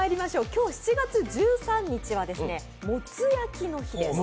今日７月１３日はもつ焼きの日です。